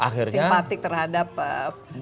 simpatik terhadap pki waktu itu